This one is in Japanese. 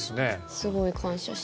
すごい感謝して。